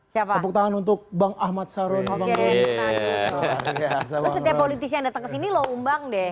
siapa tepuk tangan untuk bang ahmad syahroni setiap politisi datang ke sini lo umbang deh